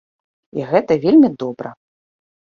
І гэта вельмі добра.